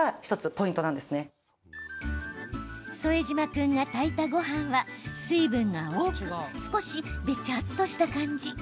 副島君が炊いたごはんは水分が多く少しべちゃっとした感じ。